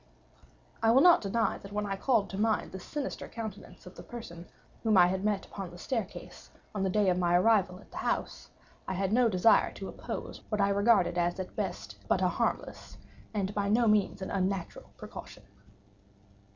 I will not deny that when I called to mind the sinister countenance of the person whom I met upon the staircase, on the day of my arrival at the house, I had no desire to oppose what I regarded as at best but a harmless, and by no means an unnatural, precaution.